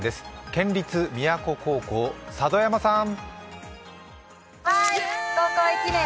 県立宮古高校、佐渡山さん。